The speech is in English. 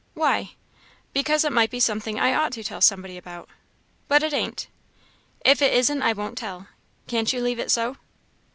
"Why?" "Because it might be something I ought to tell somebody about." "But it ain't." "If it isn't I won't tell. Can't you leave it so?"